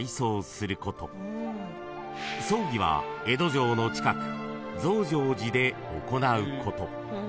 ［葬儀は江戸城の近く増上寺で行うこと］